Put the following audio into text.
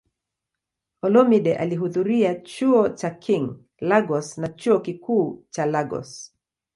Olumide alihudhuria Chuo cha King, Lagos na Chuo Kikuu cha Lagos.